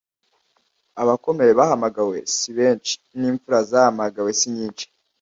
abakomeye bahamagawe si benshi; n’imfura zahamagawe si nyinshi.